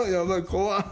怖い。